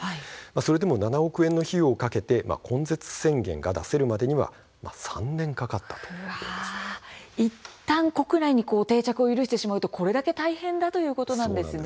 それでもおよそ７億円の費用をかけて根絶宣言が出せるようになるまでにはいったん国内に定着を許してしまうと大変なんですね。